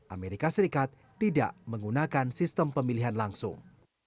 amerika serikat tidak menggunakan sistem pemilihan langsung